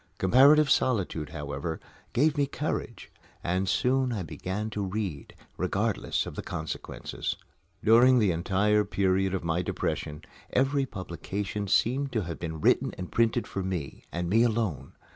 Comparative solitude, however, gave me courage; and soon I began to read, regardless of consequences. During the entire period of my depression, every publication seemed to have been written and printed for me, and me alone.